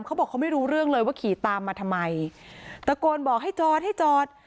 เขาบอกเขาไม่รู้เรื่องเลยว่าขี่ตามมาทำไมตะโกนบอกให้จอดให้จอด